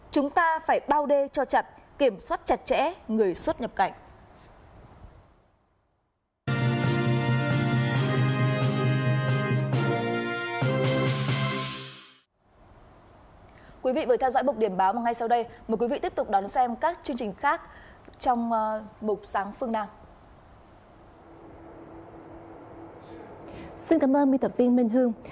chúng ta phải bao đê cho chặt kiểm soát chặt chẽ người xuất nhập cảnh